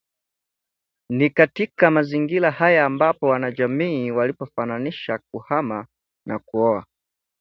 Ni katika mazingira haya ambapo wanajamii walipofananisha kuhama na kuoa